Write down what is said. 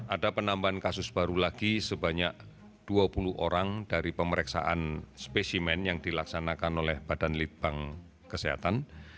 ada penambahan kasus baru lagi sebanyak dua puluh orang dari pemeriksaan spesimen yang dilaksanakan oleh badan litbang kesehatan